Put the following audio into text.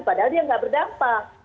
padahal dia nggak berdampak